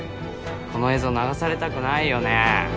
この映像流されたくないよね？